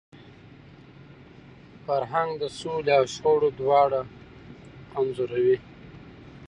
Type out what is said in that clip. فرهنګ د سولي او شخړي دواړه انځوروي.